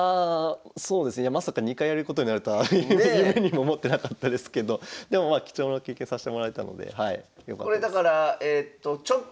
そうですねまさか２回やることになるとは夢にも思ってなかったですけどでもまあ貴重な経験させてもらえたのでよかったです。